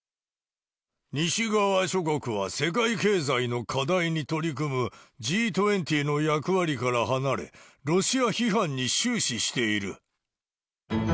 西側諸国は世界経済の課題に取り組むＧ２０の役割から離れ、ロシア批判に終始している。